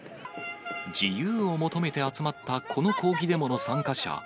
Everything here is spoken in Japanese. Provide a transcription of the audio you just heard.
自由を求めて集まったこの抗議デモの参加者